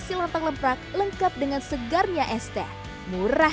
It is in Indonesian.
hai uang lontong lempuk ini sangat enak dan lebih eously kalau dilaporkan sambal juga lebih acara